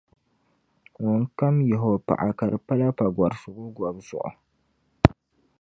ŋunkam yihi o paɣa ka di pala pagɔrisigu gɔbu zuɣu.